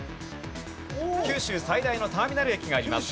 九州最大のターミナル駅があります。